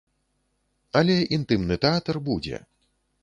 Але інтымны тэатр будзе.